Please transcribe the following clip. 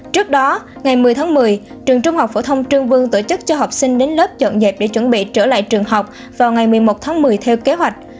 trước đó ngày một mươi tháng một mươi trường trung học phổ thông trương vương tổ chức cho học sinh đến lớp chọn dẹp để chuẩn bị trở lại trường học vào ngày một mươi một tháng một mươi theo kế hoạch